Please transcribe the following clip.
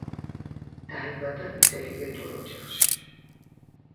დაიბადა ინტელიგენტურ ოჯახში.